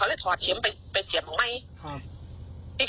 อาจมันไม่เป็นเทียมเขาเลยถอดเทียมไปเสียบมันไหม